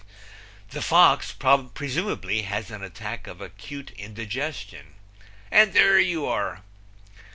The fox presumably has an attack of acute indigestion. And there you are!